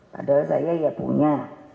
padahal saya ya punya